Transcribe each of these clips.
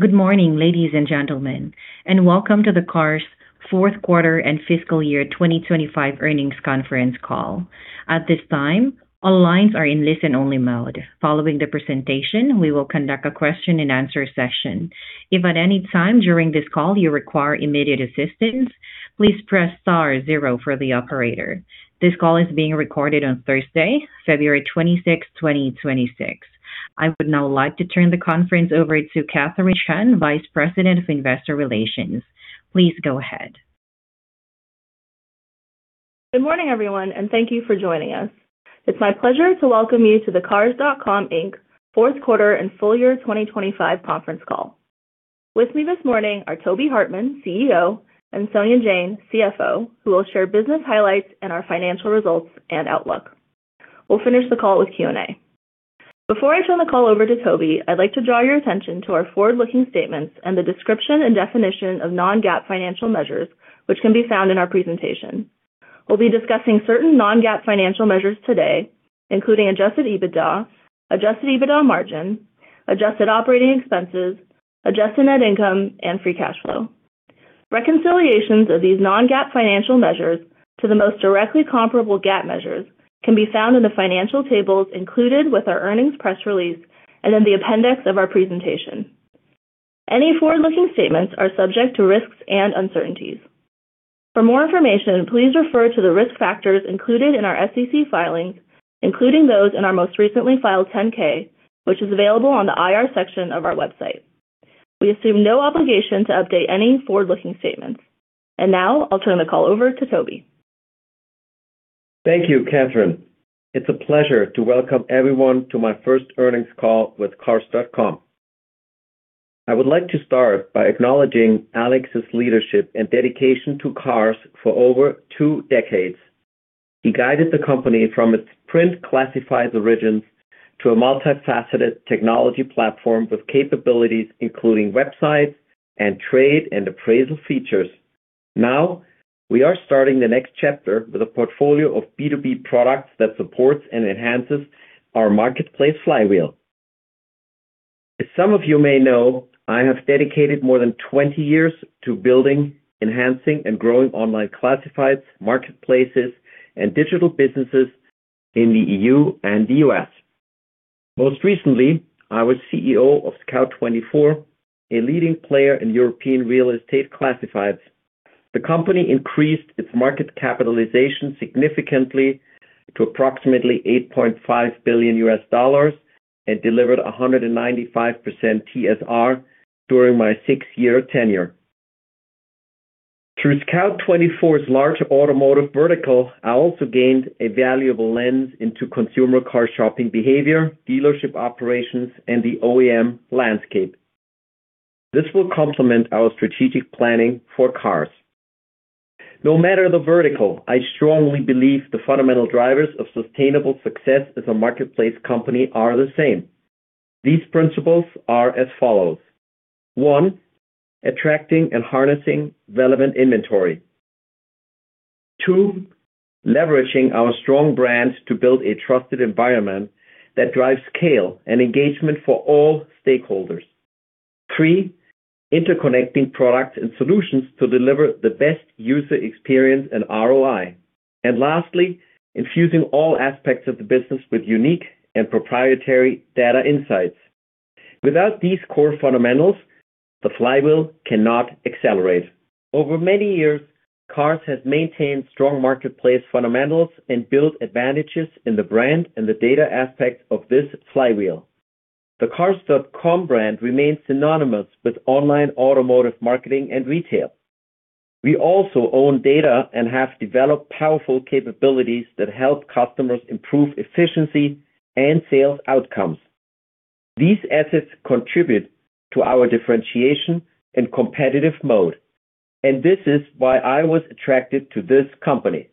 Good morning, ladies and gentlemen, and welcome to the Cars Q4 and fiscal year 2025 earnings conference call. At this time, all lines are in listen-only mode. Following the presentation, we will conduct a question-and-answer session. If at any time during this call you require immediate assistance, please press * 0 for the operator. This call is being recorded on Thursday, February 26, 2026. I would now like to turn the conference over to Catherine Shen, Vice President of Investor Relations. Please go ahead. Good morning, everyone, thank you for joining us. It's my pleasure to welcome you to the Cars.com, Inc. Q4 and full year 2025 conference call. With me this morning are Toby Hartmann, CEO, and Sonia Jain, CFO, who will share business highlights and our financial results and outlook. We'll finish the call with Q&A. Before I turn the call over to Toby, I'd like to draw your attention to our forward-looking statements and the description and definition of non-GAAP financial measures, which can be found in our presentation. We'll be discussing certain non-GAAP financial measures today, including Adjusted EBITDA, Adjusted EBITDA margin, Adjusted Operating Expenses, Adjusted net income, and free cash flow. Reconciliations of these non-GAAP financial measures to the most directly comparable GAAP measures can be found in the financial tables included with our earnings press release and in the appendix of our presentation. Any forward-looking statements are subject to risks and uncertainties. For more information, please refer to the risk factors included in our SEC filings, including those in our most recently filed 10-K, which is available on the IR section of our website. We assume no obligation to update any forward-looking statements. Now I'll turn the call over to Toby. Thank you, Catherine. It's a pleasure to welcome everyone to my 1st earnings call with Cars.com. I would like to start by acknowledging Alex's leadership and dedication to Cars for over 2 decades. He guided the company from its print classified origins to a multifaceted technology platform with capabilities including websites and trade and appraisal features. We are starting the next chapter with a portfolio of B2B products that supports and enhances our marketplace flywheel. As some of you may know, I have dedicated more than 20 years to building, enhancing, and growing online classifieds, marketplaces, and digital businesses in the EU and the US. Most recently, I was CEO of Scout24, a leading player in European real estate classifieds. The company increased its market capitalization significantly to approximately $8.5 billion and delivered 195% TSR during my 6-year tenure. Through Scout24's large automotive vertical, I also gained a valuable lens into consumer car shopping behavior, dealership operations, and the OEM landscape. This will complement our strategic planning for Cars. No matter the vertical, I strongly believe the fundamental drivers of sustainable success as a marketplace company are the same. These principles are as follows: 1, attracting and harnessing relevant inventory. 2, leveraging our strong brands to build a trusted environment that drives scale and engagement for all stakeholders. 3, interconnecting products and solutions to deliver the best user experience and ROI. Lastly, infusing all aspects of the business with unique and proprietary data insights. Without these core fundamentals, the flywheel cannot accelerate. Over many years, Cars has maintained strong marketplace fundamentals and built advantages in the brand and the data aspect of this flywheel. The Cars.com brand remains synonymous with online automotive marketing and retail. We also own data and have developed powerful capabilities that help customers improve efficiency and sales outcomes. These assets contribute to our differentiation and competitive mode. This is why I was attracted to this company.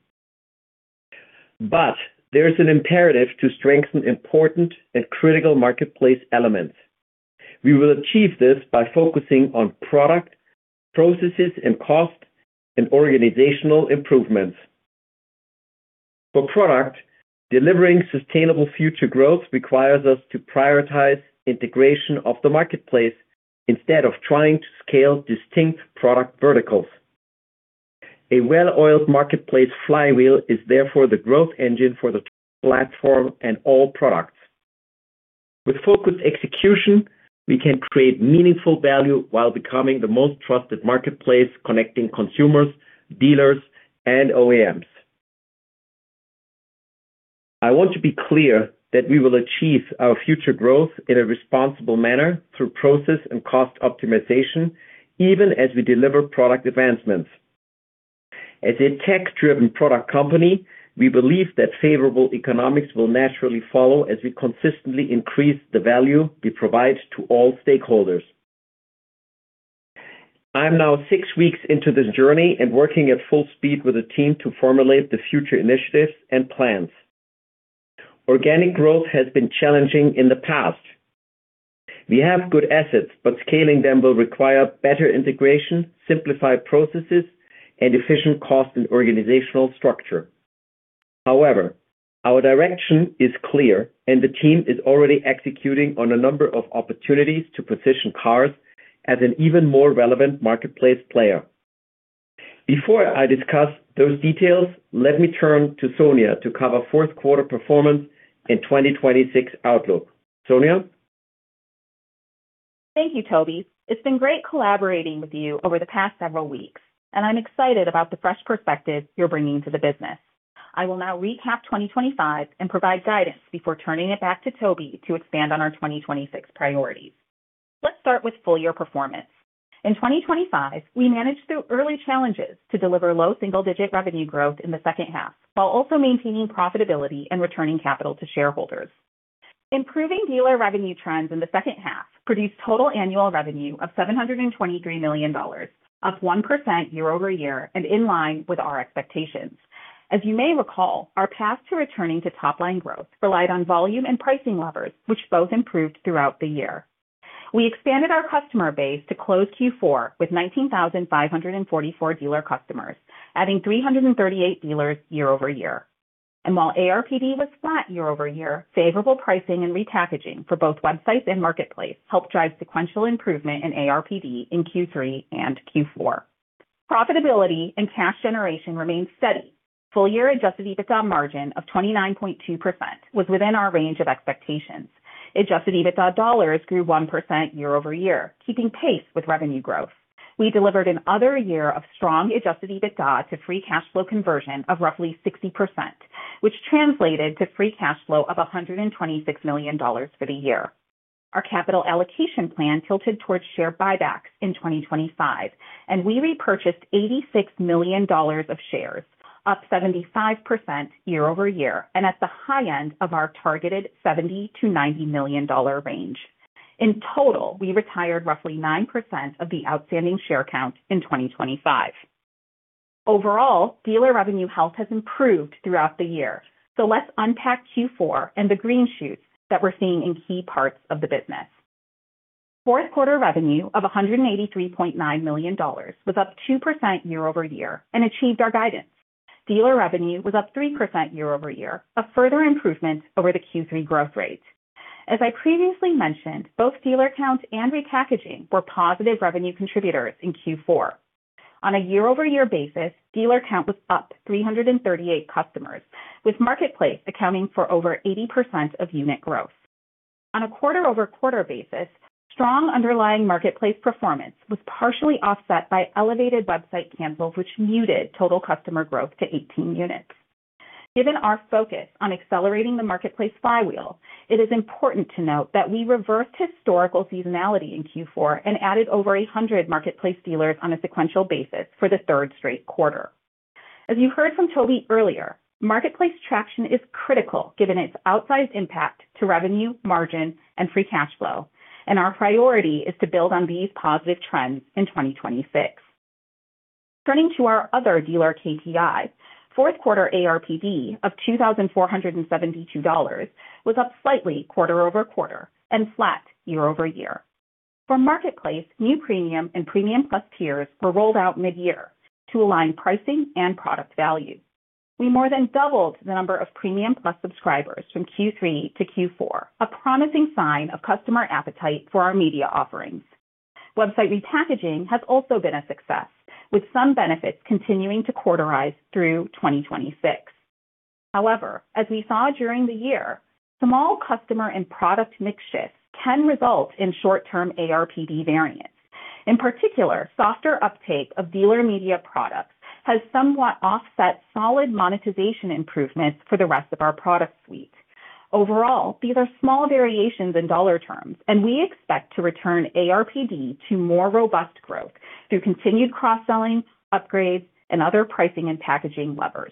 There is an imperative to strengthen important and critical marketplace elements. We will achieve this by focusing on product, processes, and cost and organizational improvements. For product, delivering sustainable future growth requires us to prioritize integration of the marketplace instead of trying to scale distinct product verticals. A well-oiled marketplace flywheel is therefore the growth engine for the platform and all products. With focused execution, we can create meaningful value while becoming the most trusted marketplace, connecting consumers, dealers, and OEMs. I want to be clear that we will achieve our future growth in a responsible manner through process and cost optimization, even as we deliver product advancements. As a tech-driven product company, we believe that favorable economics will naturally follow as we consistently increase the value we provide to all stakeholders. I'm now 6 weeks into this journey and working at full speed with a team to formulate the future initiatives and plans. Organic growth has been challenging in the past. We have good assets, but scaling them will require better integration, simplified processes, and efficient cost and organizational structure. Our direction is clear, and the team is already executing on a number of opportunities to position Cars as an even more relevant marketplace player. Before I discuss those details, let me turn to Sonia to cover Q4 performance in 2026 outlook. Sonia? Thank you, Toby. It's been great collaborating with you over the past several weeks, and I'm excited about the fresh perspective you're bringing to the business. I will now recap 2025 and provide guidance before turning it back to Toby to expand on our 2026 priorities. Let's start with full year performance. In 2025, we managed through early challenges to deliver low single-digit revenue growth in the H2, while also maintaining profitability and returning capital to shareholders. Improving dealer revenue trends in the H2 produced total annual revenue of $723 million, up 1% year-over-year and in line with our expectations. As you may recall, our path to returning to top-line growth relied on volume and pricing levers, which both improved throughout the year. We expanded our customer base to close Q4 with 19,544 dealer customers, adding 338 dealers year-over-year. While ARPD was flat year-over-year, favorable pricing and repackaging for both websites and marketplace helped drive sequential improvement in ARPD in Q3 and Q4. Profitability and cash generation remained steady. Full year Adjusted EBITDA margin of 29.2% was within our range of expectations. Adjusted EBITDA dollars grew 1% year-over-year, keeping pace with revenue growth. We delivered another year of strong Adjusted EBITDA to free cash flow conversion of roughly 60%, which translated to free cash flow of $126 million for the year. Our capital allocation plan tilted towards share buybacks in 2025, and we repurchased $86 million of shares, up 75% year-over-year, and at the high end of our targeted $70 million-$90 million range. In total, we retired roughly 9% of the outstanding share count in 2025. Overall, dealer revenue health has improved throughout the year. Let's unpack Q4 and the green shoots that we're seeing in key parts of the business. Q4 revenue of $183.9 million was up 2% year-over-year and achieved our guidance. Dealer revenue was up 3% year-over-year, a further improvement over the Q3 growth rate. As I previously mentioned, both dealer counts and repackaging were positive revenue contributors in Q4. On a year-over-year basis, dealer count was up 338 customers, with Marketplace accounting for over 80% of unit growth. On a quarter-over-quarter basis, strong underlying Marketplace performance was partially offset by elevated website cancels, which muted total customer growth to 18 units. Given our focus on accelerating the Marketplace flywheel, it is important to note that we reversed historical seasonality in Q4 and added over 100 Marketplace dealers on a sequential basis for the 3rd straight quarter. As you heard from Toby earlier, Marketplace traction is critical given its outsized impact to revenue, margin, and free cash flow. Our priority is to build on these positive trends in 2026. Turning to our other dealer KPIs, Q4 ARPD of $2,472 was up slightly quarter-over-quarter and flat year-over-year. For Marketplace, new Premium and Premium+ tiers were rolled out mid-year to align pricing and product value. We more than doubled the number of Premium+ subscribers from Q3 to Q4, a promising sign of customer appetite for our media offerings. Website repackaging has also been a success, with some benefits continuing to quarterize through 2026. As we saw during the year, small customer and product mix shifts can result in short-term ARPD variance. Softer uptake of dealer media products has somewhat offset solid monetization improvements for the rest of our product suite. These are small variations in dollar terms, and we expect to return ARPD to more robust growth through continued cross-selling, upgrades, and other pricing and packaging levers.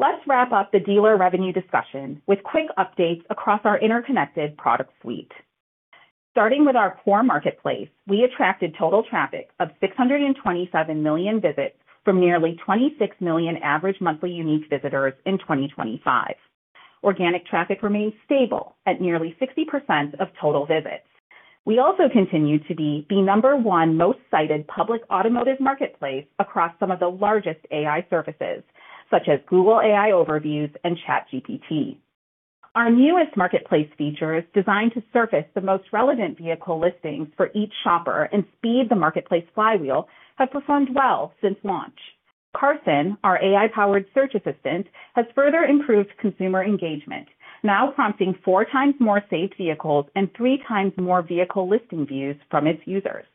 Let's wrap up the dealer revenue discussion with quick updates across our interconnected product suite. Starting with our core marketplace, we attracted total traffic of 627 million visits from nearly 26 million average monthly unique visitors in 2025. Organic traffic remains stable at nearly 60% of total visits. We also continue to be the number 1 most cited public automotive marketplace across some of the largest AI services, such as Google AI Overviews and ChatGPT. Our newest marketplace feature is designed to surface the most relevant vehicle listings for each shopper and speed the marketplace flywheel have performed well since launch. Carson, our AI-powered search assistant, has further improved consumer engagement, now prompting 4x more saved vehicles and 3x more vehicle listing views from its users.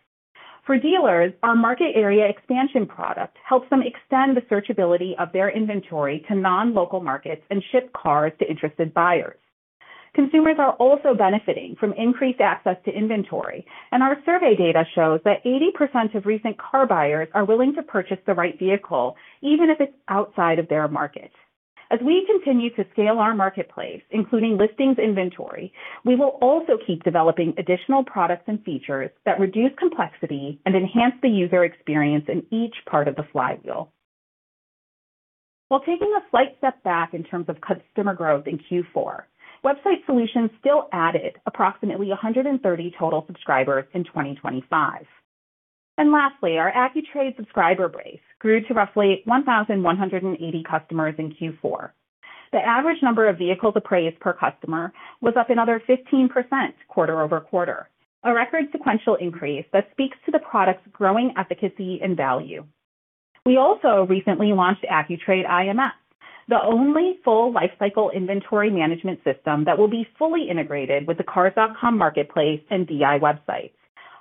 For dealers, our Market Area Expansion product helps them extend the searchability of their inventory to non-local markets and ship cars to interested buyers. Consumers are also benefiting from increased access to inventory. Our survey data shows that 80% of recent car buyers are willing to purchase the right vehicle, even if it's outside of their market. As we continue to scale our marketplace, including listings inventory, we will also keep developing additional products and features that reduce complexity and enhance the user experience in each part of the flywheel. While taking a slight step back in terms of customer growth in Q4, website solutions still added approximately 130 total subscribers in 2025. Lastly, our AccuTrade subscriber base grew to roughly 1,180 customers in Q4. The average number of vehicles appraised per customer was up another 15% quarter-over-quarter, a record sequential increase that speaks to the product's growing efficacy and value. We also recently launched AccuTrade IMS, the only full lifecycle inventory management system that will be fully integrated with the Cars.com marketplace and DI websites.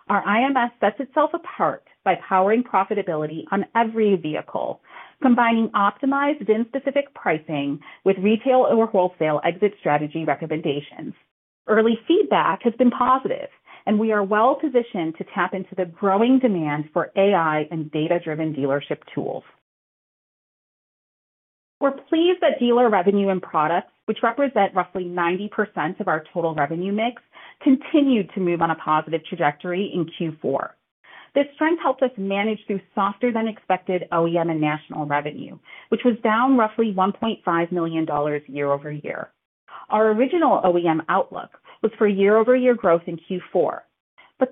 Our IMS sets itself apart by powering profitability on every vehicle, combining optimized, VIN-specific pricing with retail or wholesale exit strategy recommendations. Early feedback has been positive, and we are well-positioned to tap into the growing demand for AI and data-driven dealership tools. We're pleased that dealer revenue and products, which represent roughly 90% of our total revenue mix, continued to move on a positive trajectory in Q4. This strength helped us manage through softer than expected OEM and national revenue, which was down roughly $1.5 million year-over-year. Our original OEM outlook was for year-over-year growth in Q4.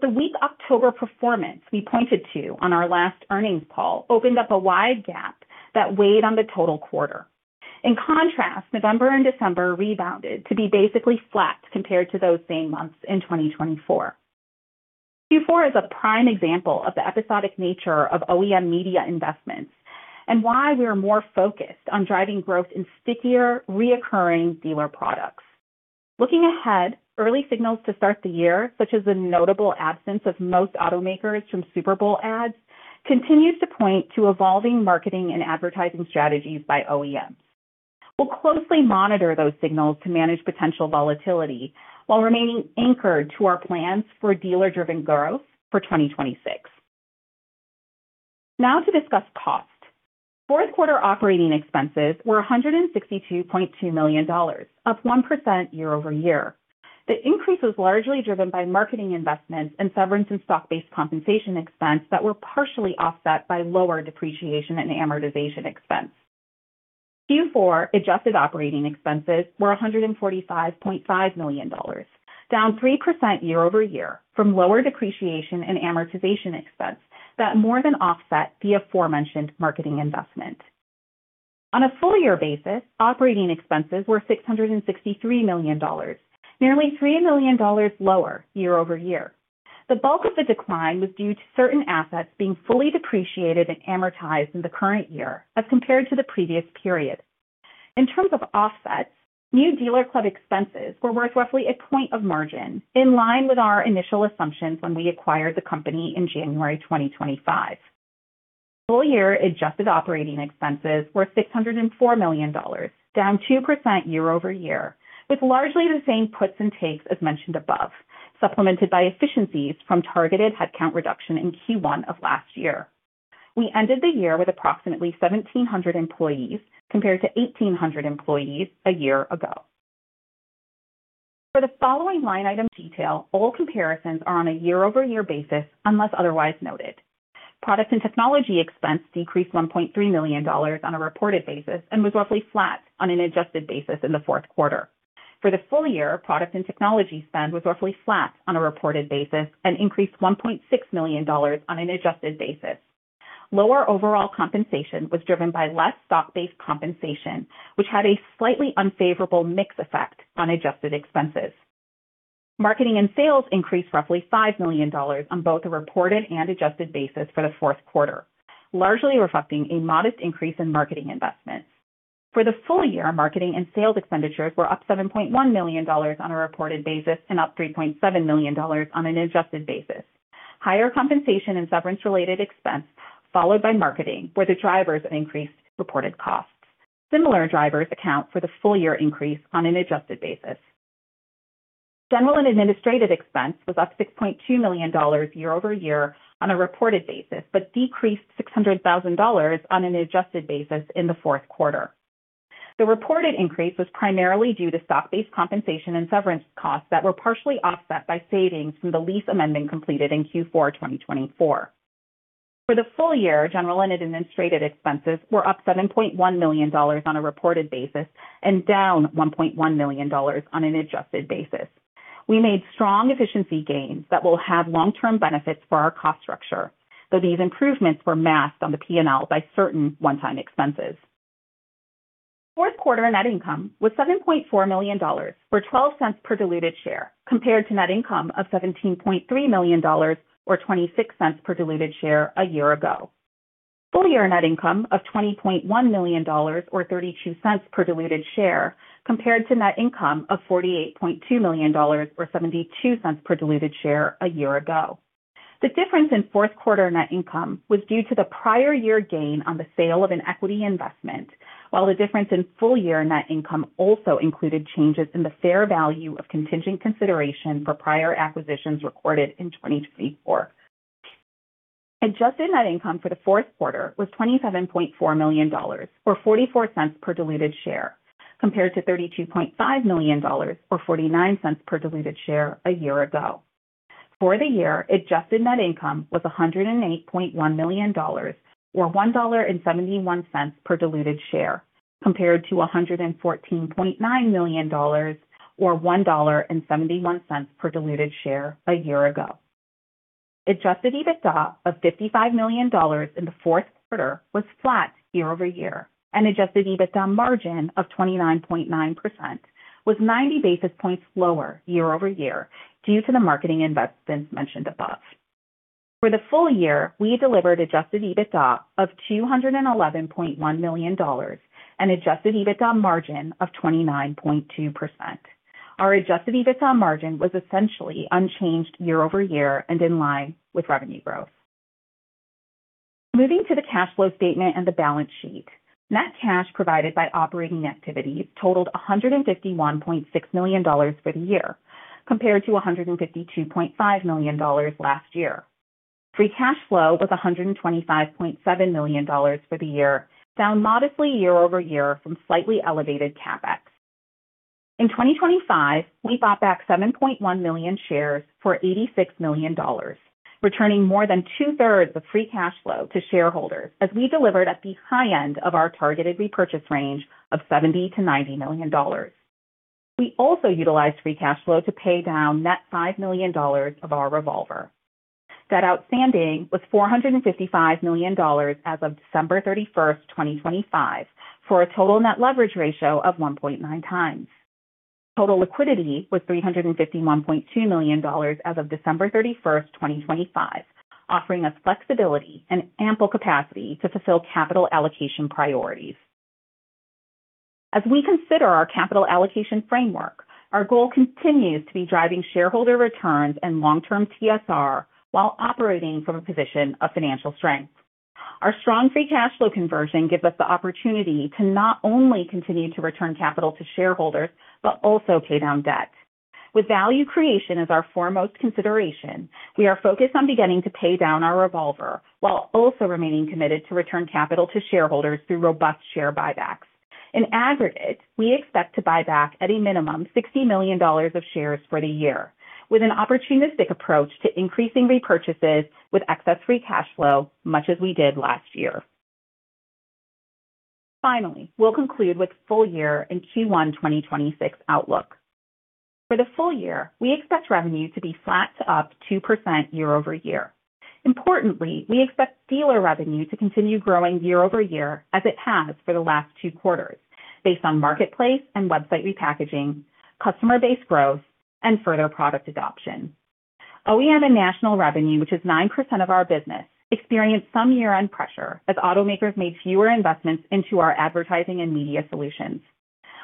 The weak October performance we pointed to on our last earnings call opened up a wide gap that weighed on the total quarter. In contrast, November and December rebounded to be basically flat compared to those same months in 2024. Q4 is a prime example of the episodic nature of OEM media investments and why we are more focused on driving growth in stickier, reoccurring dealer products. Looking ahead, early signals to start the year, such as the notable absence of most automakers from Super Bowl ads, continues to point to evolving marketing and advertising strategies by OEM. We'll closely monitor those signals to manage potential volatility while remaining anchored to our plans for dealer-driven growth for 2026. To discuss cost. Q4 operating expenses were $162.2 million, up 1% year-over-year. The increase was largely driven by marketing investments and severance and stock-based compensation expense that were partially offset by lower depreciation and amortization expense. Q4 adjusted operating expenses were $145.5 million, down 3% year-over-year from lower depreciation and amortization expense. That more than offset the aforementioned marketing investment. On a full year basis, operating expenses were $663 million, nearly $3 million lower year-over-year. The bulk of the decline was due to certain assets being fully depreciated and amortized in the current year as compared to the previous period. In terms of offsets, new DealerClub expenses were worth roughly a point of margin, in line with our initial assumptions when we acquired the company in January 2025. Full year Adjusted Operating Expenses were $604 million, down 2% year-over-year, with largely the same puts and takes as mentioned above, supplemented by efficiencies from targeted headcount reduction in Q1 of last year. We ended the year with approximately 1,700 employees, compared to 1,800 employees a year ago. For the following line item detail, all comparisons are on a year-over-year basis, unless otherwise noted. Product and technology expense decreased $1.3 million on a reported basis and was roughly flat on an adjusted basis in the Q4. For the full year, product and technology spend was roughly flat on a reported basis and increased $1.6 million on an adjusted basis. Lower overall compensation was driven by less stock-based compensation, which had a slightly unfavorable mix effect on adjusted expenses. Marketing and sales increased roughly $5 million on both a reported and adjusted basis for the Q4, largely reflecting a modest increase in marketing investments. For the full year, marketing and sales expenditures were up $7.1 million on a reported basis and up $3.7 million on an adjusted basis. Higher compensation and severance-related expense, followed by marketing, were the drivers of increased reported costs. Similar drivers account for the full year increase on an adjusted basis. General and administrative expense was up $6.2 million year-over-year on a reported basis, but decreased $600,000 on an adjusted basis in the Q4. The reported increase was primarily due to stock-based compensation and severance costs that were partially offset by savings from the lease amendment completed in Q4 2024. For the full year, general and administrative expenses were up $7.1 million on a reported basis and down $1.1 million on an adjusted basis. We made strong efficiency gains that will have long-term benefits for our cost structure, though these improvements were masked on the P&L by certain one-time expenses. Q4 net income was $7.4 million, or $0.12 per diluted share, compared to net income of $17.3 million, or $0.26 per diluted share a year ago. Full-year net income of $20.1 million, or $0.32 per diluted share, compared to net income of $48.2 million, or $0.72 per diluted share a year ago. The difference in Q4 net income was due to the prior year gain on the sale of an equity investment, while the difference in full-year net income also included changes in the fair value of contingent consideration for prior acquisitions recorded in 2024. Adjusted net income for the Q4 was $27.4 million, or $0.44 per diluted share, compared to $32.5 million, or $0.49 per diluted share a year ago. For the year, Adjusted net income was $108.1 million, or $1.71 per diluted share. compared to $114.9 million or $1.71 per diluted share a year ago. Adjusted EBITDA of $55 million in the Q4 was flat year-over-year, and Adjusted EBITDA margin of 29.9% was 90 basis points lower year-over-year due to the marketing investments mentioned above. For the full year, we delivered Adjusted EBITDA of $211.1 million, an Adjusted EBITDA margin of 29.2%. Our Adjusted EBITDA margin was essentially unchanged year-over-year and in line with revenue growth. Moving to the cash flow statement and the balance sheet, net cash provided by operating activities totaled $151.6 million for the year, compared to $152.5 million last year. Free cash flow was $125.7 million for the year, down modestly year-over-year from slightly elevated CapEx. In 2025, we bought back 7.1 million shares for $86 million, returning more than 2/3 of free cash flow to shareholders as we delivered at the high end of our targeted repurchase range of $70 million-$90 million. We also utilized free cash flow to pay down net $5 million of our revolver. Debt outstanding was $455 million as of December 31, 2025, for a total net leverage ratio of 1.9x. Total liquidity was $351.2 million as of December 31, 2025, offering us flexibility and ample capacity to fulfill capital allocation priorities. As we consider our capital allocation framework, our goal continues to be driving shareholder returns and long-term TSR while operating from a position of financial strength. Our strong free cash flow conversion gives us the opportunity to not only continue to return capital to shareholders, but also pay down debt. With value creation as our foremost consideration, we are focused on beginning to pay down our revolver, while also remaining committed to return capital to shareholders through robust share buybacks. In aggregate, we expect to buy back at a minimum, $60 million of shares for the year, with an opportunistic approach to increasing repurchases with excess free cash flow, much as we did last year. Finally, we'll conclude with full year and Q1 2026 outlook. For the full year, we expect revenue to be flat to up 2% year-over-year. Importantly, we expect dealer revenue to continue growing year-over-year as it has for the last 2 quarters, based on marketplace and website repackaging, customer base growth, and further product adoption. OEM and national revenue, which is 9% of our business, experienced some year-end pressure as automakers made fewer investments into our advertising and media solutions.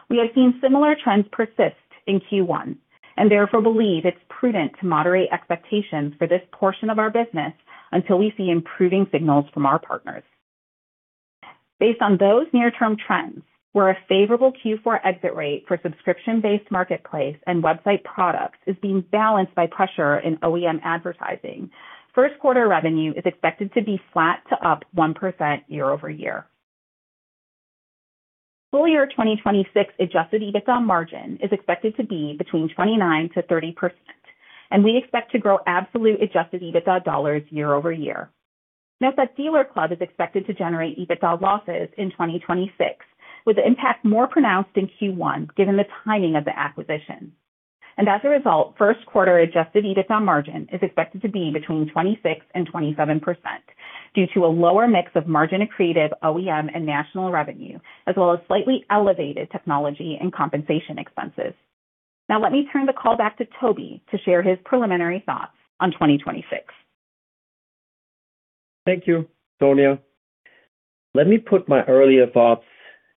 We have seen similar trends persist in Q1, and therefore believe it's prudent to moderate expectations for this portion of our business until we see improving signals from our partners. Based on those near-term trends, where a favorable Q4 exit rate for subscription-based marketplace and website products is being balanced by pressure in OEM advertising, Q1 revenue is expected to be flat to up 1% year-over-year. Full year 2026 Adjusted EBITDA margin is expected to be between 29%-30%, we expect to grow absolute Adjusted EBITDA dollars year-over-year. Note that DealerClub is expected to generate EBITDA losses in 2026, with the impact more pronounced in Q1, given the timing of the acquisition. As a result, Q1 Adjusted EBITDA margin is expected to be between 26% and 27%, due to a lower mix of margin accretive OEM and national revenue, as well as slightly elevated technology and compensation expenses. Now, let me turn the call back to Toby to share his preliminary thoughts on 2026. Thank you, Sonia. Let me put my earlier thoughts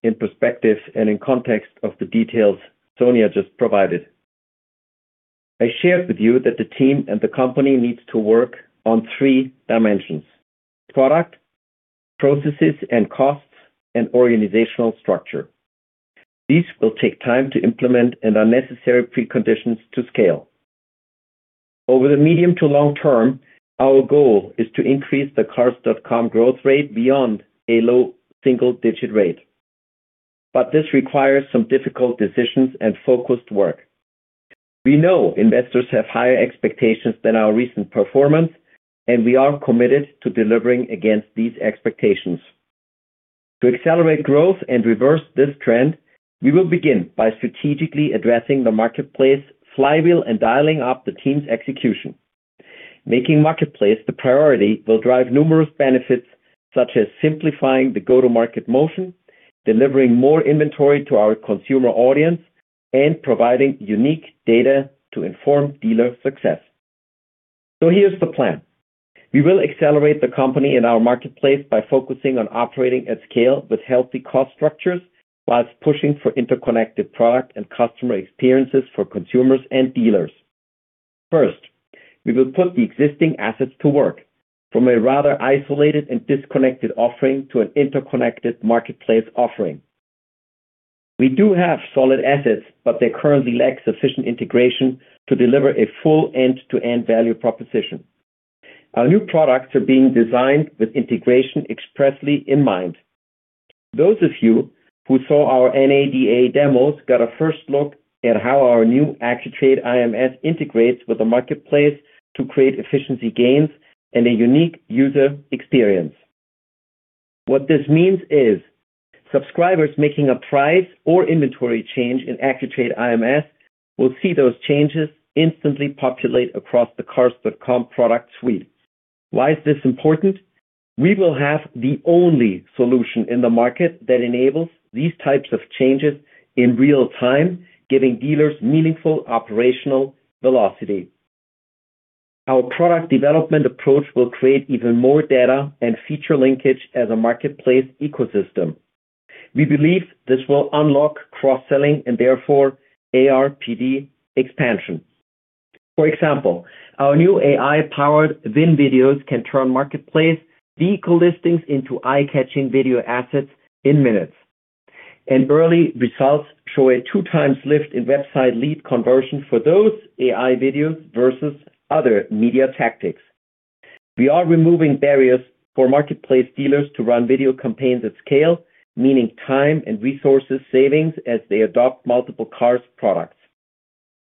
in perspective and in context of the details Sonia just provided. I shared with you that the team and the company needs to work on 3 dimensions: product, processes and costs, and organizational structure. These will take time to implement and are necessary preconditions to scale. Over the medium to long term, our goal is to increase the Cars.com growth rate beyond a low single-digit rate, but this requires some difficult decisions and focused work. We know investors have higher expectations than our recent performance, and we are committed to delivering against these expectations. To accelerate growth and reverse this trend, we will begin by strategically addressing the marketplace flywheel and dialing up the team's execution. Making marketplace the priority will drive numerous benefits, such as simplifying the go-to-market motion, delivering more inventory to our consumer audience, and providing unique data to inform dealer success. Here's the plan. We will accelerate the company in our marketplace by focusing on operating at scale with healthy cost structures, whilst pushing for interconnected product and customer experiences for consumers and dealers. First, we will put the existing assets to work from a rather isolated and disconnected offering to an interconnected marketplace offering. We do have solid assets, but they currently lack sufficient integration to deliver a full end-to-end value proposition. Our new products are being designed with integration expressly in mind. Those of you who saw our NADA demos got a first look at how our new AccuTrade IMS integrates with the marketplace to create efficiency gains and a unique user experience. What this means is, subscribers making a price or inventory change in AccuTrade IMS will see those changes instantly populate across the Cars.com product suite. Why is this important? We will have the only solution in the market that enables these types of changes in real time, giving dealers meaningful operational velocity. Our product development approach will create even more data and feature linkage as a marketplace ecosystem. We believe this will unlock cross-selling and therefore ARPD expansion. For example, our new AI-Powered Inventory Video can turn marketplace vehicle listings into eye-catching video assets in minutes. Early results show a 2x lift in website lead conversion for those AI videos versus other media tactics. We are removing barriers for marketplace dealers to run video campaigns at scale, meaning time and resources savings as they adopt multiple Cars products.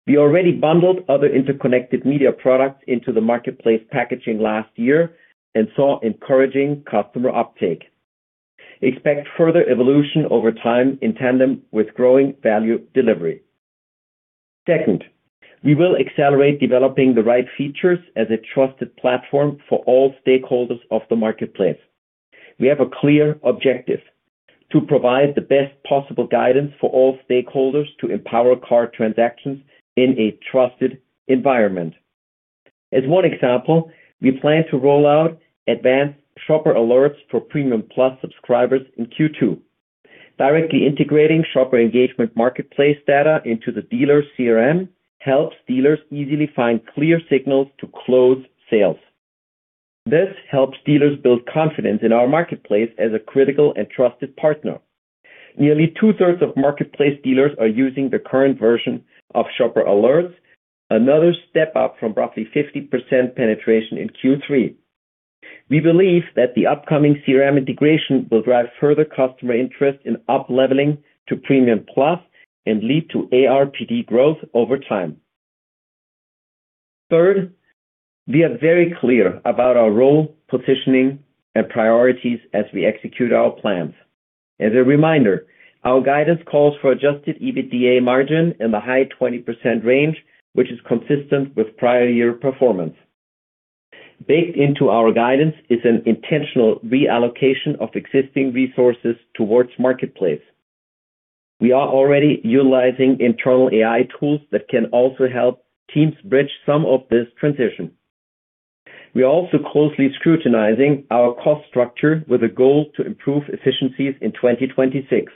We already bundled other interconnected media products into the marketplace packaging last year and saw encouraging customer uptake. Expect further evolution over time in tandem with growing value delivery. Second, we will accelerate developing the right features as a trusted platform for all stakeholders of the marketplace. We have a clear objective: to provide the best possible guidance for all stakeholders to empower car transactions in a trusted environment. As 1 example, we plan to roll out advanced Shopper Alerts for Premium+ subscribers in Q2. Directly integrating shopper engagement marketplace data into the dealer's CRM helps dealers easily find clear signals to close sales. This helps dealers build confidence in our marketplace as a critical and trusted partner. Nearly 2/3 of marketplace dealers are using the current version of Shopper Alerts, another step up from roughly 50% penetration in Q3. We believe that the upcoming CRM integration will drive further customer interest in upleveling to Premium Plus and lead to ARPD growth over time. Third, we are very clear about our role, positioning, and priorities as we execute our plans. As a reminder, our guidance calls for Adjusted EBITDA margin in the high 20% range, which is consistent with prior year performance. Baked into our guidance is an intentional reallocation of existing resources towards marketplace. We are already utilizing internal AI tools that can also help teams bridge some of this transition. We are also closely scrutinizing our cost structure with a goal to improve efficiencies in 2026.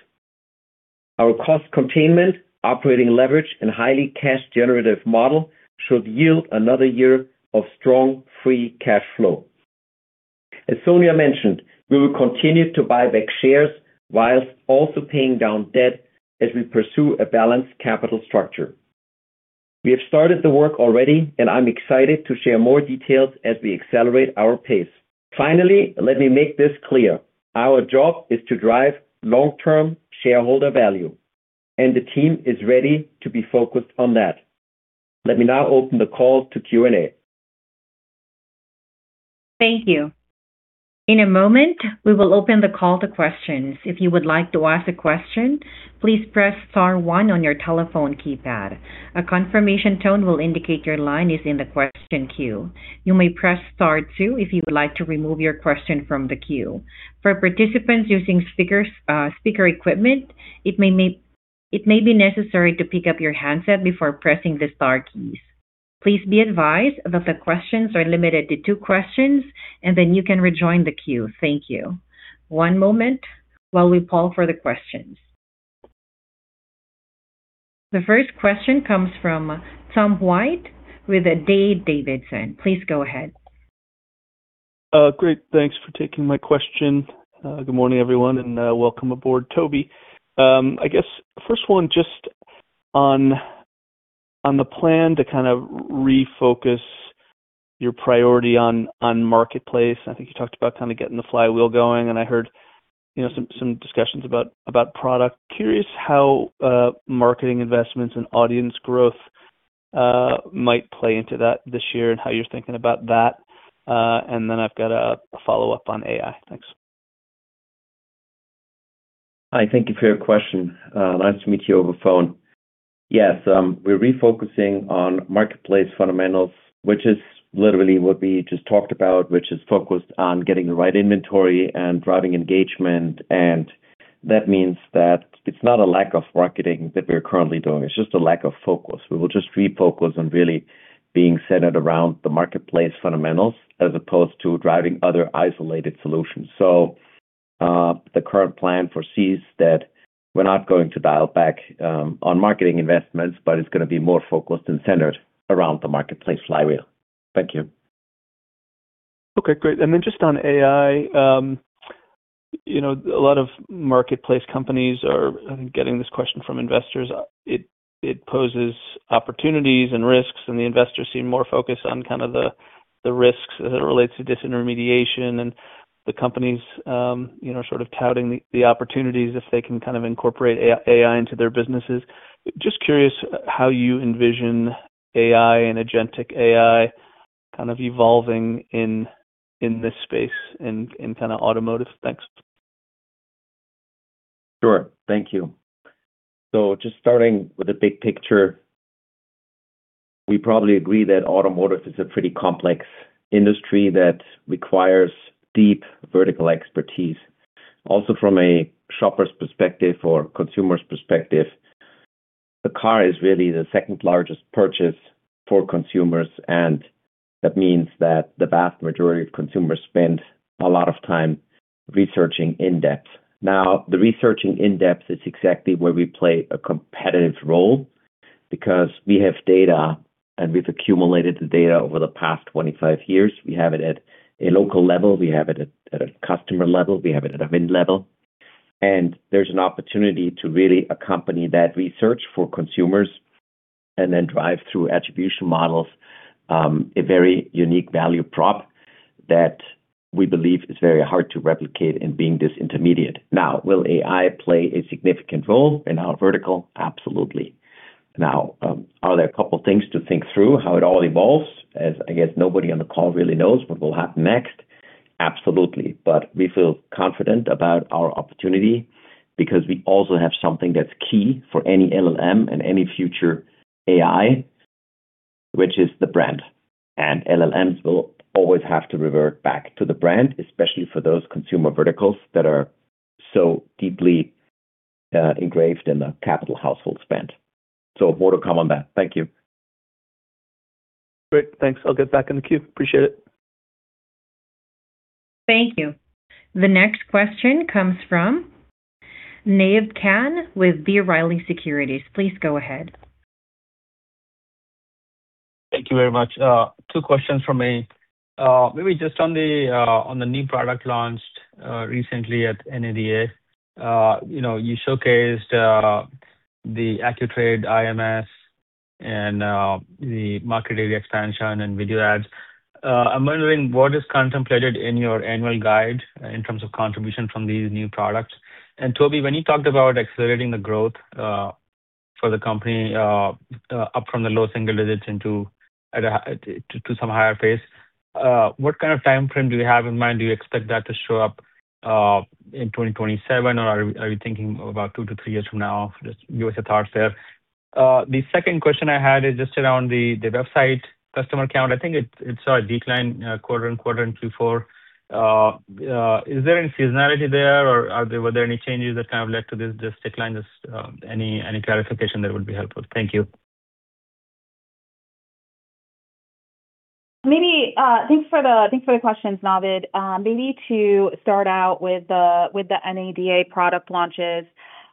Our cost containment, operating leverage, and highly cash generative model should yield another year of strong free cash flow. As Sonia mentioned, we will continue to buy back shares whilst also paying down debt as we pursue a balanced capital structure. We have started the work already. I'm excited to share more details as we accelerate our pace. Finally, let me make this clear. Our job is to drive long-term shareholder value. The team is ready to be focused on that. Let me now open the call to Q&A. Thank you. In a moment, we will open the call to questions. If you would like to ask a question, please press * 1 on your telephone keypad. A confirmation tone will indicate your line is in the question queue. You may press * 2 if you would like to remove your question from the queue. For participants using speakers, speaker equipment, it may be necessary to pick up your handset before pressing the star keys. Please be advised that the questions are limited to 2 questions, and then you can rejoin the queue. Thank you. One moment while we poll for the questions. The first question comes from Tom White with Davidson. Please go ahead. Great. Thanks for taking my question. Good morning, everyone, and welcome aboard, Toby. I guess first one, just on the plan to kind of refocus your priority on marketplace. I think you talked about kind of getting the flywheel going, and I heard, you know, some discussions about product. Curious how marketing investments and audience growth might play into that this year and how you're thinking about that. Then I've got a follow-up on AI. Thanks. Hi, thank you for your question. Nice to meet you over phone. Yes, we're refocusing on marketplace fundamentals, which is literally what we just talked about, which is focused on getting the right inventory and driving engagement. That means that it's not a lack of marketing that we're currently doing, it's just a lack of focus. We will just refocus on really being centered around the marketplace fundamentals as opposed to driving other isolated solutions. The current plan foresees that we're not going to dial back on marketing investments, but it's gonna be more focused and centered around the marketplace flywheel. Thank you. Okay, great. Then just on AI, you know, a lot of marketplace companies are getting this question from investors. It, it poses opportunities and risks, and the investors seem more focused on kind of the risks as it relates to disintermediation and the companies, you know, sort of touting the opportunities if they can kind of incorporate AI into their businesses. Just curious how you envision AI and agentic AI?... kind of evolving in this space, in kind of automotive? Thanks. Sure. Thank you. Just starting with the big picture, we probably agree that automotive is a pretty complex industry that requires deep vertical expertise. Also from a shopper's perspective or consumer's perspective, the car is really the 2nd largest purchase for consumers, and that means that the vast majority of consumers spend a lot of time researching in depth. Now, the researching in-depth is exactly where we play a competitive role because we have data, and we've accumulated the data over the past 25 years. We have it at a local level, we have it at a customer level, we have it at a VIN level. There's an opportunity to really accompany that research for consumers and then drive through attribution models, a very unique value prop that we believe is very hard to replicate in being disintermediate. Now, will AI play a significant role in our vertical? Absolutely. Now, are there a couple of things to think through how it all evolves, as I guess nobody on the call really knows what will happen next? Absolutely. We feel confident about our opportunity because we also have something that's key for any LLM and any future AI, which is the brand. LLMs will always have to revert back to the brand, especially for those consumer verticals that are so deeply engraved in the capital household spend. More to come on that. Thank you. Great. Thanks. I'll get back in the queue. Appreciate it. Thank you. The next question comes from Naved Khan with B. Riley Securities. Please go ahead. Thank you very much. 2 questions from me. Maybe just on the new product launched recently at NADA. You know, you showcased the AccuTrade IMS and the Market Area Expansion and video ads. I'm wondering, what is contemplated in your annual guide in terms of contribution from these new products? Toby, when you talked about accelerating the growth for the company up from the low single digits into to some higher pace, what kind of time frame do you have in mind? Do you expect that to show up in 2027, or are you thinking about 2 to 3 years from now? Just give us your thoughts there. The second question I had is just around the website customer count. I think it saw a decline, quarter on quarter in Q4. Is there any seasonality there, or were there any changes that kind of led to this decline? Just any clarification there would be helpful. Thank you. Maybe, thanks for the questions, Naved. Maybe to start out with the NADA product launches.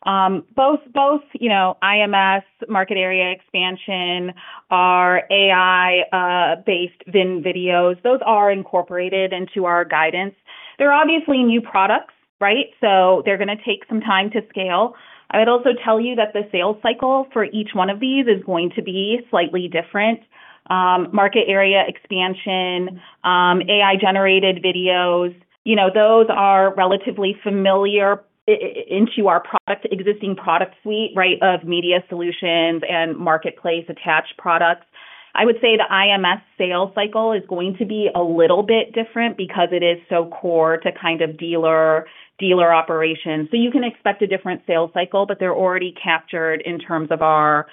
Both, you know, IMS Market Area Expansion, our AI based VIN videos, those are incorporated into our guidance. They're obviously new products, right? They're gonna take some time to scale. I would also tell you that the sales cycle for each one of these is going to be slightly different. Market Area Expansion, AI-generated videos, you know, those are relatively familiar into our product, existing product suite, right, of media solutions and marketplace attached products. I would say the IMS sales cycle is going to be a little bit different because it is so core to kind of dealer operations. You can expect a different sales cycle, but they're already captured in terms of our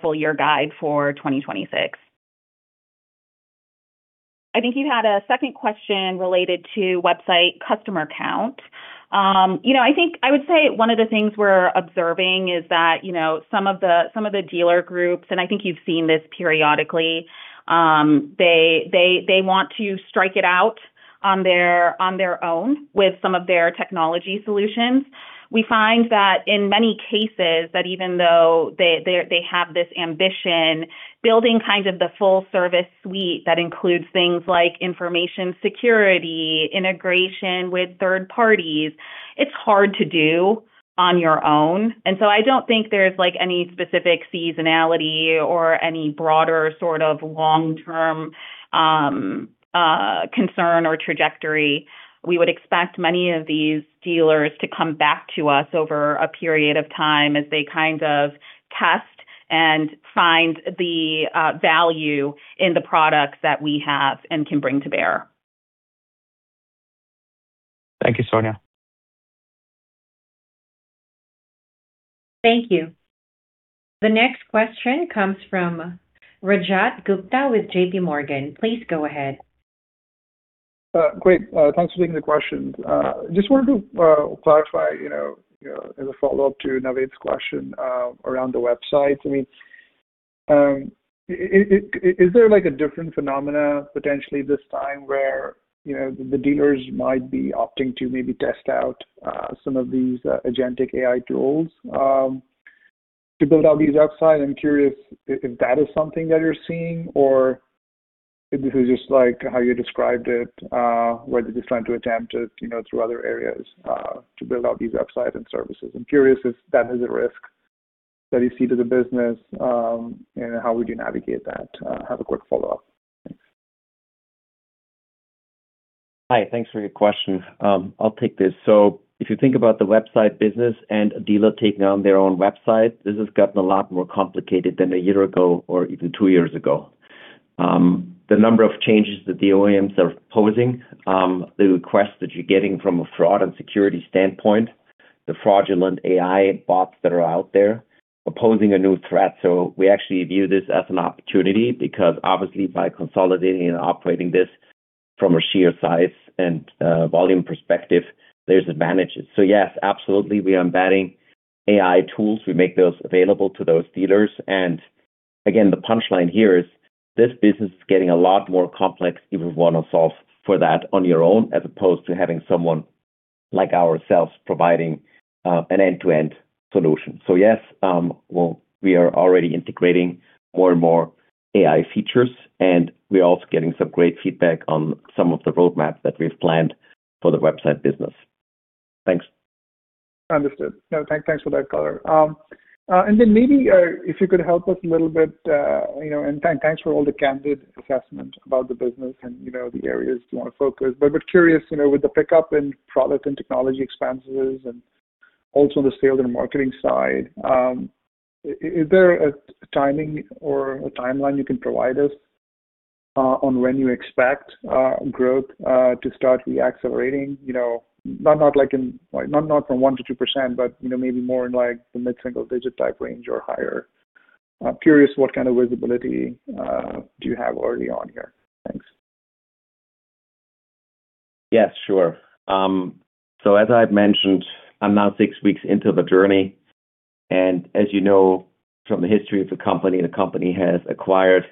full year guide for 2026. I think you had a second question related to website customer count. You know, I think I would say one of the things we're observing is that, you know, some of the dealer groups, and I think you've seen this periodically, they want to strike it out on their own with some of their technology solutions. We find that in many cases that even though they have this ambition, building kind of the full service suite that includes things like information security, integration with third parties, it's hard to do on your own. I don't think there's, like, any specific seasonality or any broader sort of long-term concern or trajectory. We would expect many of these dealers to come back to us over a period of time as they kind of test and find the value in the products that we have and can bring to bear. Thank you, Sonia. Thank you. The next question comes from Rajat Gupta with JPMorgan. Please go ahead. Great. Thanks for taking the question. Just wanted to clarify, you know, as a follow-up to Naved's question, around the website. I mean, is there like a different phenomena potentially this time where, you know, the dealers might be opting to maybe test out some of these agentic AI tools to build out these websites? I'm curious if that is something that you're seeing or if this is just like how you described it, where they're just trying to attempt to, you know, through other areas to build out these websites and services. I'm curious if that is a risk that you see to the business, and how would you navigate that? I have a quick follow-up. Hi, thanks for your question. I'll take this. If you think about the website business and a dealer taking on their own website, this has gotten a lot more complicated than a year ago or even 2 years ago. The number of changes that the OEMs are posing, the requests that you're getting from a fraud and security standpoint, the fraudulent AI bots that are out there are posing a new threat. We actually view this as an opportunity because obviously, by consolidating and operating this from a sheer size and volume perspective, there's advantages. Yes, absolutely, we are embedding AI tools. We make those available to those dealers. Again, the punchline here is this business is getting a lot more complex if you wanna solve for that on your own, as opposed to having someone like ourselves providing an end-to-end solution. Yes, well, we are already integrating more and more AI features, and we are also getting some great feedback on some of the roadmaps that we've planned for the website business. Thanks. Understood. No, thanks for that color. Then maybe, if you could help us a little bit, you know. Thanks for all the candid assessment about the business and, you know, the areas you wanna focus. We're curious, you know, with the pickup in product and technology expenses and also on the sales and marketing side, is there a timing or a timeline you can provide us on when you expect growth to start re-accelerating? You know, not like in, not from 1% to 2%, but, you know, maybe more in, like, the mid-single digit type range or higher. Curious, what kind of visibility do you have early on here? Thanks. Yes, sure. As I've mentioned, I'm now 6 weeks into the journey, and as you know from the history of the company, the company has acquired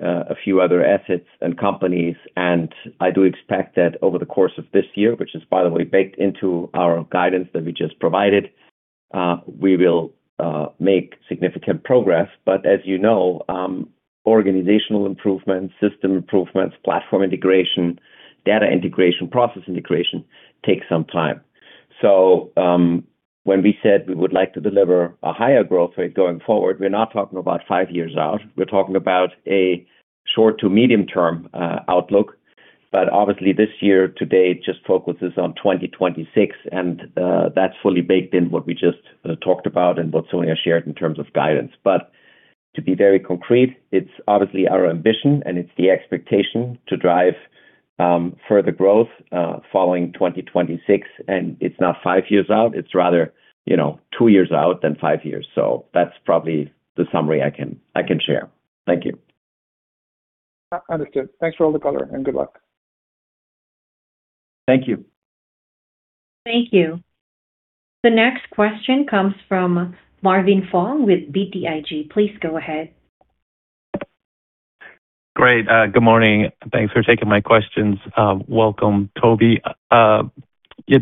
a few other assets and companies, and I do expect that over the course of this year, which is, by the way, baked into our guidance that we just provided, we will make significant progress. As you know, organizational improvements, system improvements, platform integration, data integration, process integration, take some time. When we said we would like to deliver a higher growth rate going forward, we're not talking about 5 years out. We're talking about a short to medium term outlook. Obviously, this year to date just focuses on 2026, and that's fully baked in what we just talked about and what Sonia shared in terms of guidance. To be very concrete, it's obviously our ambition, and it's the expectation to drive, further growth, following 2026, and it's not 5 years out. It's rather, you know, 2 years out than 5 years. That's probably the summary I can, I can share. Thank you. Understood. Thanks for all the color, and good luck. Thank you. Thank you. The next question comes from Marvin Fong with BTIG. Please go ahead. Great. Good morning. Thanks for taking my questions. Welcome, Toby. Yeah,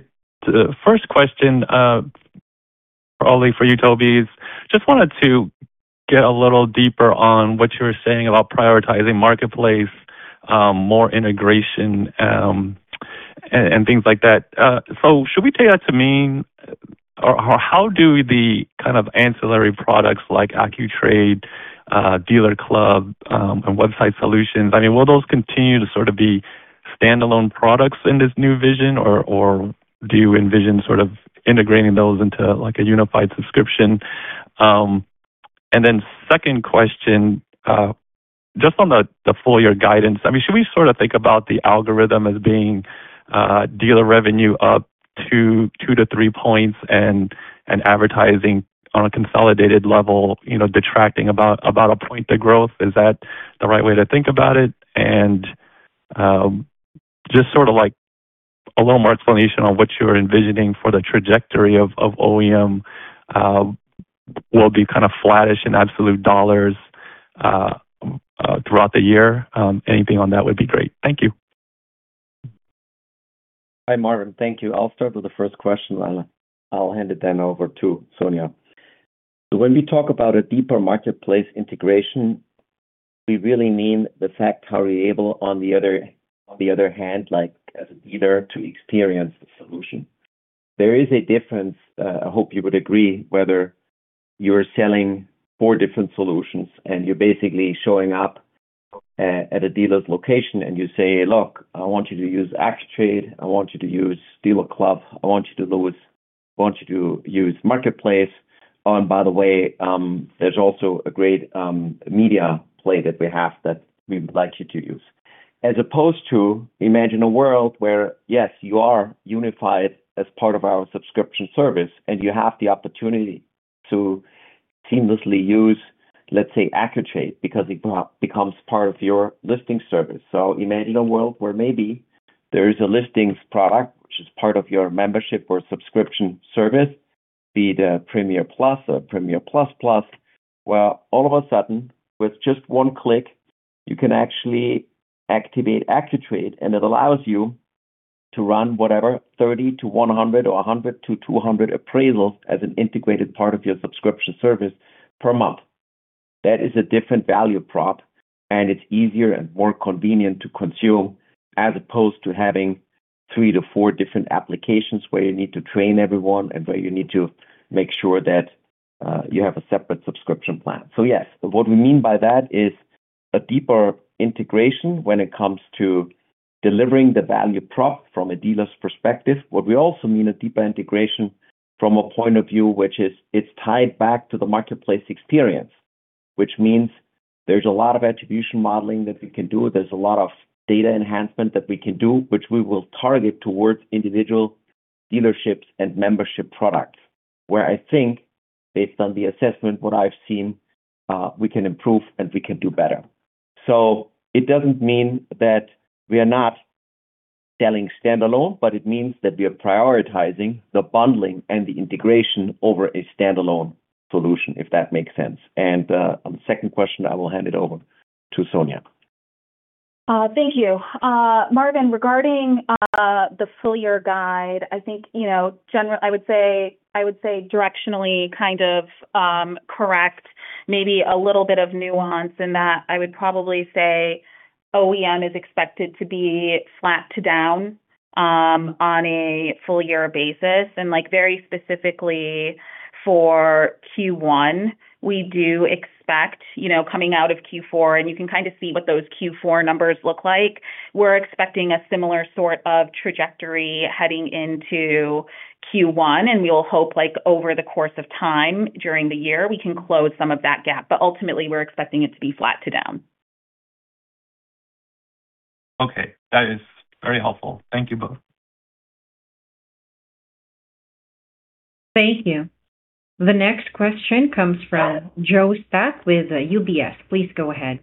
the first question, probably for you, Toby, is just wanted to get a little deeper on what you were saying about prioritizing marketplace, more integration, and things like that. Should we take that to mean or how do the kind of ancillary products like AccuTrade, DealerClub, and Website Solutions, I mean, will those continue to sort of be standalone products in this new vision, or do you envision sort of integrating those into, like, a unified subscription? Then second question, just on the full year guidance, I mean, should we sort of think about the algorithm as being dealer revenue up to 2-3 points and advertising on a consolidated level, you know, detracting about 1 point to growth? Is that the right way to think about it? Just sorta, like, a little more explanation on what you're envisioning for the trajectory of OEM will be kind of flattish in absolute dollars throughout the year. Anything on that would be great. Thank you. Hi, Marvin. Thank you. I'll start with the first question, and I'll hand it then over to Sonia. When we talk about a deeper marketplace integration, we really mean the fact how we're able, on the other hand, like as a leader, to experience the solution. There is a difference, I hope you would agree, whether you're selling 4 different solutions and you're basically showing up at a dealer's location and you say, "Look, I want you to use AccuTrade, I want you to use DealerClub, I want you to use Marketplace. By the way, there's also a great media play that we have that we'd like you to use. As opposed to, imagine a world where, yes, you are unified as part of our subscription service, and you have the opportunity to seamlessly use, let's say, AccuTrade, because it becomes part of your listing service. Imagine a world where maybe there is a listings product which is part of your membership or subscription service, be it a Premier Plus or Premier Plus Plus, where all of a sudden, with just 1 click, you can actually activate AccuTrade, and it allows you to run whatever, 30-100 or 100-200 appraisals as an integrated part of your subscription service per month. That is a different value prop. It's easier and more convenient to consume, as opposed to having. 3 to 4 different applications where you need to train everyone and where you need to make sure that you have a separate subscription plan. Yes, what we mean by that is a deeper integration when it comes to delivering the value prop from a dealer's perspective. What we also mean a deeper integration from a point of view, which is it's tied back to the marketplace experience, which means there's a lot of attribution modeling that we can do. There's a lot of data enhancement that we can do, which we will target towards individual dealerships and membership products, where I think, based on the assessment, what I've seen, we can improve and we can do better. It doesn't mean that we are not selling standalone, but it means that we are prioritizing the bundling and the integration over a standalone solution, if that makes sense. On the second question, I will hand it over to Sonia. Thank you. Marvin, regarding the full year guide, I think, you know, directionally, kind of correct, maybe a little bit of nuance in that I would probably say OEM is expected to be flat to down on a full year basis. Like very specifically for Q1, we do expect, you know, coming out of Q4, and you can kind of see what those Q4 numbers look like. We're expecting a similar sort of trajectory heading into Q1, and we will hope, like over the course of time during the year, we can close some of that gap, but ultimately, we're expecting it to be flat to down. Okay, that is very helpful. Thank you both. Thank you. The next question comes from Joe Spak with UBS. Please go ahead.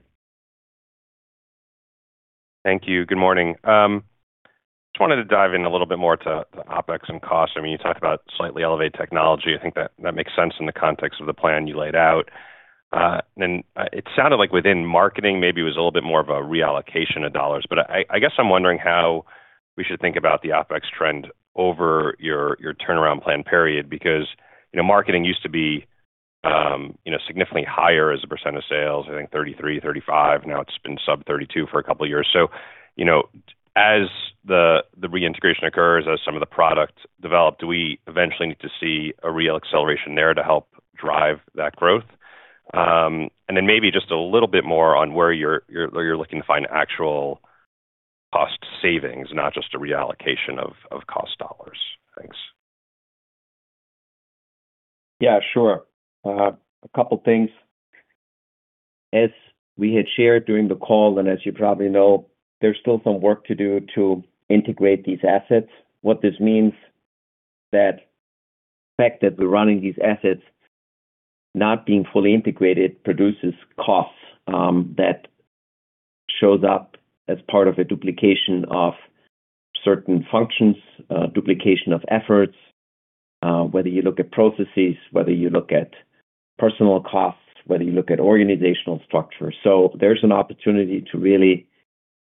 Thank you. Good morning. Just wanted to dive in a little bit more to the OpEx and costs. I mean, you talked about slightly elevated technology. I think that makes sense in the context of the plan you laid out. It sounded like within marketing, maybe it was a little bit more of a reallocation of dollars. I guess I'm wondering how we should think about the OpEx trend over your turnaround plan period, because marketing used to be significantly higher as a % of sales, I think 33%, 35%. Now it's been sub 32% for a couple of years. As the reintegration occurs, as some of the product developed, do we eventually need to see a real acceleration there to help drive that growth? Then maybe just a little bit more on where you're looking to find actual cost savings, not just a reallocation of cost dollars. Thanks. Yeah, sure. A couple of things. As we had shared during the call, and as you probably know, there's still some work to do to integrate these assets. What this means, that the fact that we're running these assets not being fully integrated, produces costs, that shows up as part of a duplication of certain functions, duplication of efforts, whether you look at processes, whether you look at personal costs, whether you look at organizational structure. There's an opportunity to really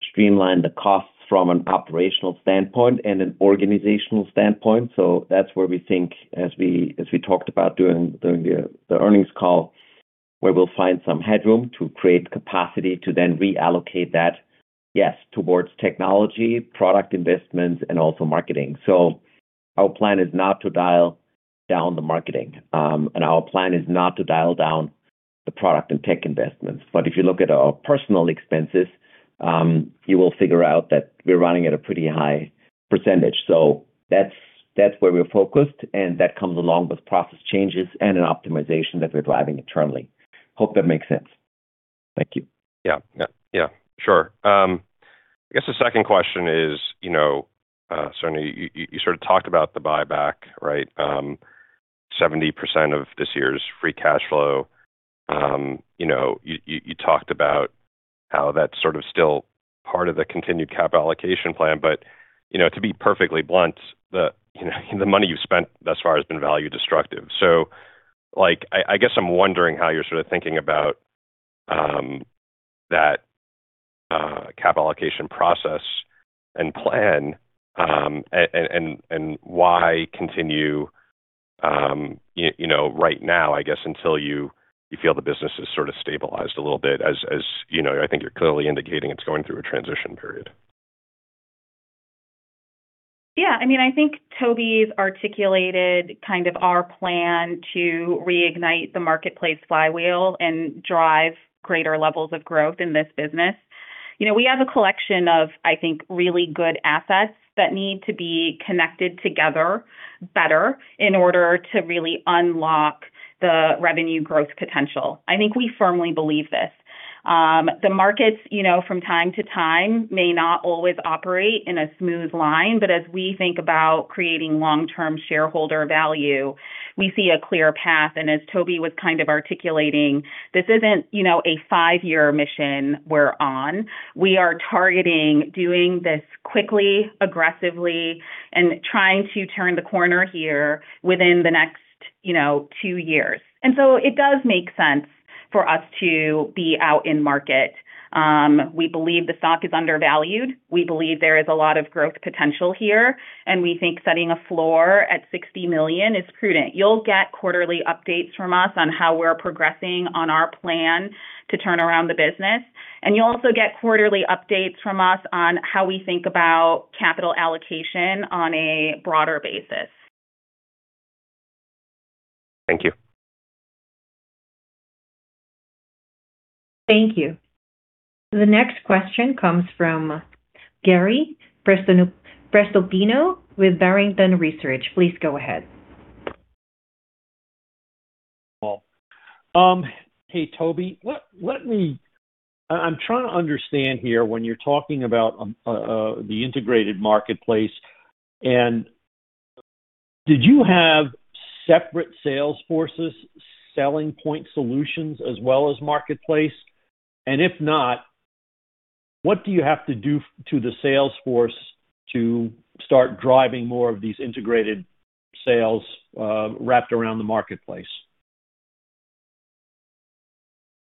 streamline the costs from an operational standpoint and an organizational standpoint. That's where we think as we talked about during the earnings call, where we'll find some headroom to create capacity to then reallocate that, yes, towards technology, product investments, and also marketing. Our plan is not to dial down the marketing, and our plan is not to dial down the product and tech investments. If you look at our personal expenses, you will figure out that we're running at a pretty high %. That's where we're focused, and that comes along with process changes and an optimization that we're driving internally. Hope that makes sense. Thank you. Yeah, sure. I guess the second question is, you know, Sonia, you sort of talked about the buyback, right? 70% of this year's free cash flow. You know, you talked about how that's sort of still part of the continued cap allocation plan, but, you know, to be perfectly blunt, the money you've spent thus far has been value destructive. Like, I guess I'm wondering how you're sort of thinking about that cap allocation process and plan, and why continue, you know, right now, I guess, until you feel the business is sort of stabilized a little bit, as, you know, I think you're clearly indicating it's going through a transition period. Yeah. I mean, I think Toby's articulated kind of our plan to reignite the marketplace flywheel and drive greater levels of growth in this business. You know, we have a collection of, I think, really good assets that need to be connected together better in order to really unlock the revenue growth potential. I think we firmly believe this. As the markets, you know, from time to time, may not always operate in a smooth line, but as we think about creating long-term shareholder value, we see a clear path. As Toby was kind of articulating, this isn't, you know, a 5-year mission we're on. We are targeting doing this quickly, aggressively, and trying to turn the corner here within the next, you know, 2 years. So it does make sense for us to be out in market. We believe the stock is undervalued, we believe there is a lot of growth potential here, and we think setting a floor at $60 million is prudent. You'll get quarterly updates from us on how we're progressing on our plan to turn around the business, you'll also get quarterly updates from us on how we think about capital allocation on a broader basis. Thank you. Thank you. The next question comes from Gary Prestopino with Barrington Research. Please go ahead. Well, hey, Toby. I'm trying to understand here when you're talking about the integrated marketplace. Did you have separate sales forces selling point solutions as well as marketplace? If not, what do you have to do to the sales force to start driving more of these integrated sales, wrapped around the marketplace?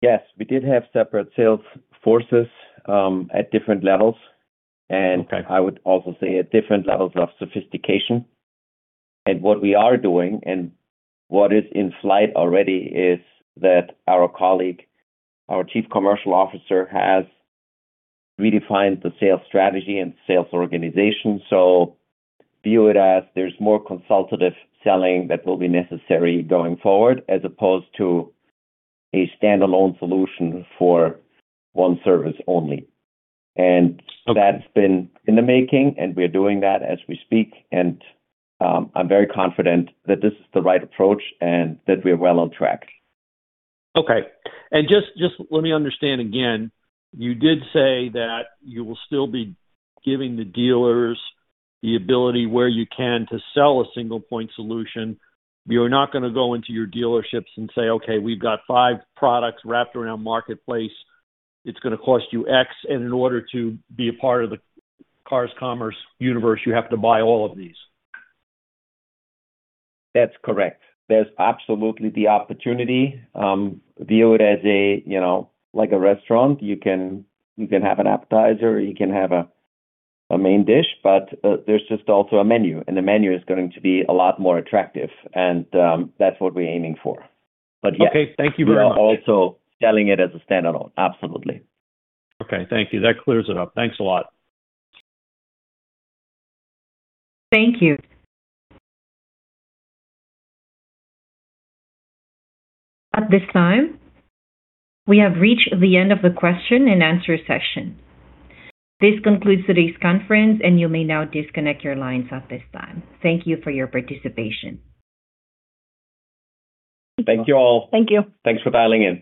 Yes, we did have separate sales forces, at different levels. Okay. I would also say at different levels of sophistication. What we are doing, and what is in flight already, is that our colleague, our chief commercial officer, has redefined the sales strategy and sales organization. View it as there's more consultative selling that will be necessary going forward, as opposed to a standalone solution for 1 service only. That's been in the making, and we are doing that as we speak, and I'm very confident that this is the right approach and that we're well on track. Okay. Just let me understand again, you did say that you will still be giving the dealers the ability, where you can, to sell a single point solution. You're not gonna go into your dealerships and say, "Okay, we've got 5 products wrapped around marketplace. It's gonna cost you X, and in order to be a part of the Cars Commerce universe, you have to buy all of these. That's correct. There's absolutely the opportunity. View it as a, you know, like a restaurant. You can have an appetizer or you can have a main dish, but, there's just also a menu, and the menu is going to be a lot more attractive, and, that's what we're aiming for. Yes. Okay. Thank you very much. We're also selling it as a standalone. Absolutely. Okay. Thank you. That clears it up. Thanks a lot. Thank you. At this time, we have reached the end of the question and answer session. This concludes today's conference, and you may now disconnect your lines at this time. Thank you for your participation. Thank you all. Thank you. Thanks for dialing in.